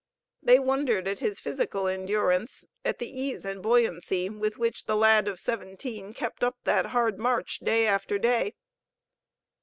They wondered at his physical endurance, at the ease and buoyancy with which the lad of seventeen kept up that hard march, day after day.